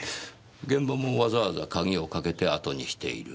現場もわざわざ鍵をかけて後にしている。